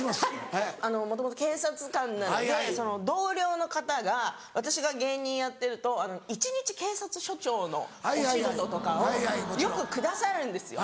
はいもともと警察官なので同僚の方が私が芸人やってると一日警察署長のお仕事とかをよくくださるんですよ。